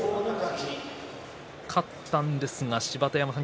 勝ったんですが芝田山さん